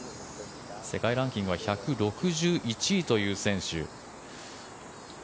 世界ランキングは１６１位という選手。